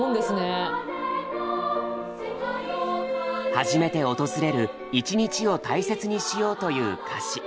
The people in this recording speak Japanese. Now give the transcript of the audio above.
初めて訪れる「いちにち」を大切にしようという歌詞。